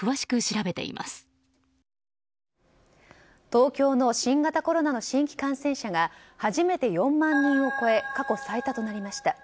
東京の新型コロナの新規感染者が初めて４万人を超え過去最多となりました。